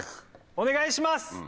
お願いします！